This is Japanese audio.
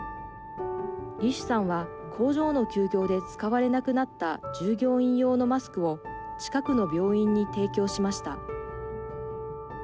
リシュさんは工場の休業で使われなくなった従業員用のマスクを近くの病院に提供しました。